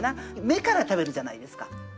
目から食べるじゃないですか。